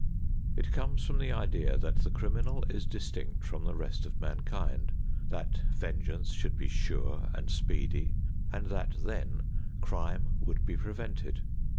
It comes from the idea that the criminal is distinct from the rest of mankind, that vengeance should be sure and speedy and that then crime would be prevented.